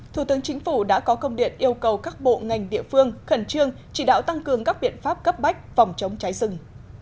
thủ tướng chính phủ đã có công điện yêu cầu các bộ ngành địa phương khẩn trương chỉ đạo tăng cường các biện pháp cấp bách phòng chống cháy rừng